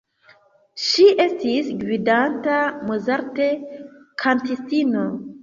Ŝi estis gvidanta Mozart‑kantistino.